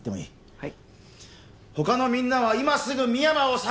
はい